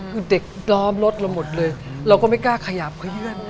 คือเด็กล้อมรถเราหมดเลยเราก็ไม่กล้าขยับขยื่น